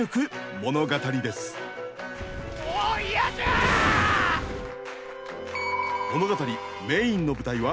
物語メインの舞台は東海地方。